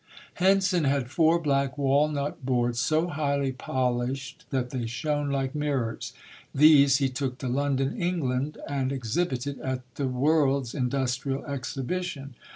Henson had four black walnut boards so highly polished that they shone like mirrors. These he took to London, England, and exhibited at the World's Industrial Exhibition.